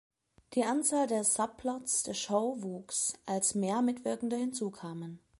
Die Anzahl der Subplots der Show wuchs, als mehr Mitwirkende hinzukamen.